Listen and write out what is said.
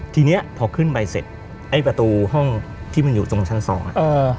ทีนี้พอขึ้นไปเสร็จไอ้ประตูห้องที่มันอยู่ตรงชั้นสองอ่ะ